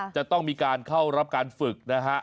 จะต้องมีการเข้ารับการฝึกนะฮะ